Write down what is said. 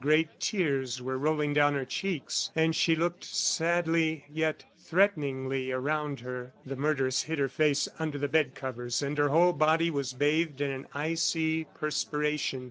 Great tears were rolling down her cheeks, and she looked sadly, yet threateningly, around her. The murderess hid her face under the bed covers; and her whole body was bathed in an icy perspiration.